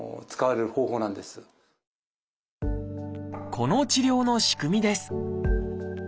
この治療の仕組みです。